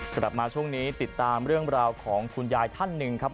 กลับมาช่วงนี้ติดตามเรื่องราวของคุณยายท่านหนึ่งครับ